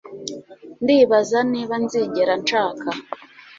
ndibaza niba nzigera nshaka